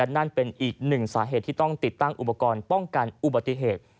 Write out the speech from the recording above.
นั่นเป็นอีกหนึ่งสาเหตุที่ต้องติดตั้งอุปกรณ์ป้องกันอุบัติเหตุ